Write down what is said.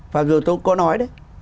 và rồi tôi có nói đấy